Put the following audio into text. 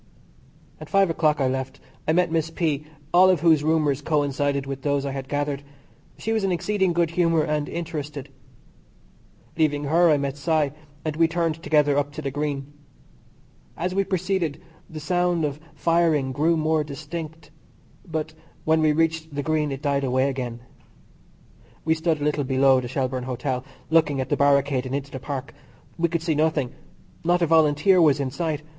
At five o'clock I left. I met Miss P., all of whose rumours coincided with those I had gathered. She was in exceeding good humour and interested. Leaving her I met Cy , and we turned together up to the Green. As we proceeded, the sound of firing grew more distinct, but when we reached the Green it died away again. We stood a little below the Shelbourne Hotel, looking at the barricade and into the Park. We could see nothing. Not a Volunteer was in sight.